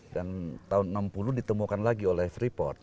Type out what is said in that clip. dan tahun enam puluh ditemukan lagi oleh frippold